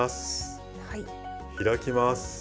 開きます。